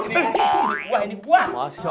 ini puah ini puah